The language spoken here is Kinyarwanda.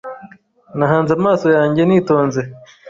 Nahanze amaso yanjye nitonze